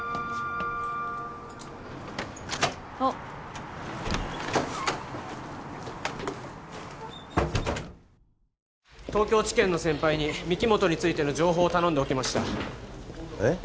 あっ東京地検の先輩に御木本についての情報を頼んでおきましたえっ？